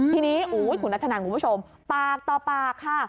ที่นี่คุณรัฐนาคมคุณผู้ชมปากต่อปากค่ะ